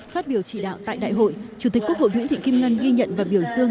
phát biểu trị đạo tại đại hội chủ tịch quốc hội nguyễn thị kim ngân ghi nhận và biểu dương